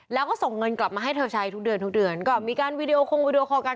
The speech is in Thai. แล้วก็ส่งเงินกลับมาให้เธอใช้ทุกเดือนทุกเดือนก็มีการวีดีโอคงวีดีโอคอลกัน